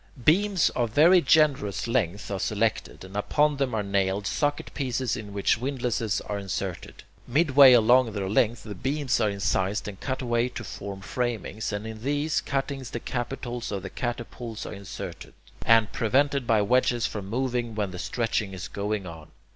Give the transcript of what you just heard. Beams of very generous length are selected, and upon them are nailed socket pieces in which windlasses are inserted. Midway along their length the beams are incised and cut away to form framings, and in these cuttings the capitals of the catapults are inserted, and prevented by wedges from moving when the stretching is going on.